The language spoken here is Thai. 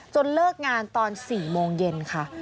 เลิกงานตอน๔โมงเย็นค่ะ